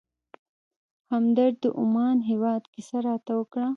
همدرد د عمان هېواد کیسه راته وکړه.